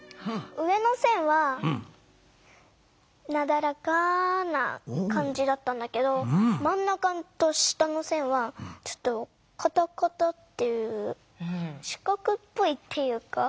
上の線はなだらかな感じだったんだけどまんなかと下の線はちょっとカタカタっていう四角っぽいっていうか。